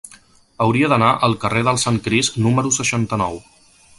Hauria d'anar al carrer del Sant Crist número seixanta-nou.